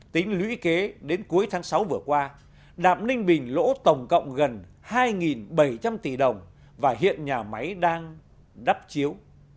tính lũy kế đến cuối tháng sáu vừa qua đạm ninh bình lỗ tổng cộng gần hai bảy trăm linh tỷ đồng và hiện nhà máy đang đắp chiếu